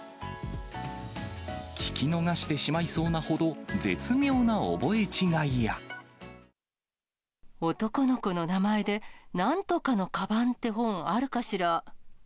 聞き逃してしまいそうなほど男の子の名前で、なんとかのカバンって本、あるかしら？